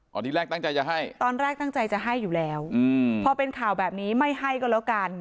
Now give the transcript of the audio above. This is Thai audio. ที่แรกตั้งใจจะให้ตอนแรกตั้งใจจะให้อยู่แล้วพอเป็นข่าวแบบนี้ไม่ให้ก็แล้วกัน